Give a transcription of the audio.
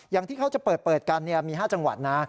อย่างที่เขาจะเปิดกันมี๕จังหวัดนะ